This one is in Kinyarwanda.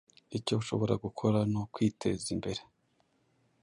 icyo ushobora gukora nukwiteza imbere